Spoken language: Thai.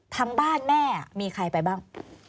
ทางบ้านแม่มีใครไปบ้าง